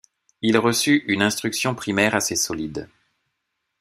Il reçut une instruction primaire assez solide.